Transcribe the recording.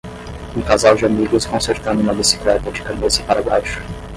Um casal de amigos consertando uma bicicleta de cabeça para baixo.